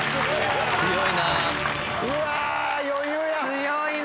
強いな。